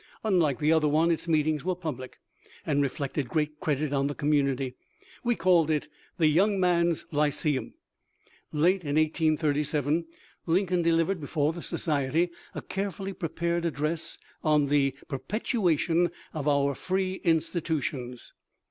Unlike the other one its meetings were public, and reflected great credit on the community. We called it the " Young Men's Lyceum." Late in 1837, Lincoln delivered before the society a carefully prepared address on the " Perpetuation of Our Free Institu tions."